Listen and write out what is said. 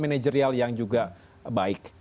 manajerial yang juga baik